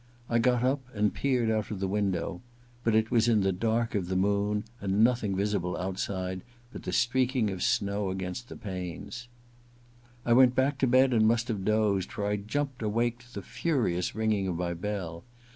I got up and peered out of the window ; but it was in the dark of the moon, and nothing visible outside but the streaking of snow against the panes. 154 THE LADY'S MAID'S BELL iv I went back to bed and must have dozed, for I jumped awake to the furious ringing of my bell.